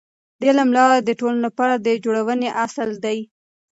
د علم لاره د ټولنې لپاره د جوړونې اصل دی.